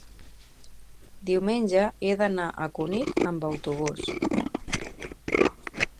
diumenge he d'anar a Cunit amb autobús.